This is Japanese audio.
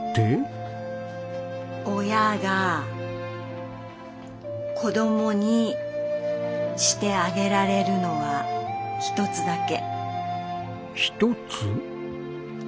親が子供にしてあげられるのは一つだけ。